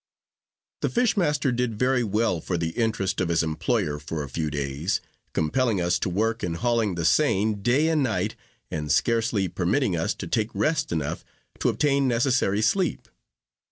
The fish master did very well for the interest of his employer for a few days; compelling us to work in hauling the seine, day and night, and scarcely permitting us to take rest enough to obtain necessary sleep.